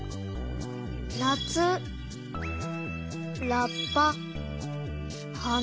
なつラッパはな。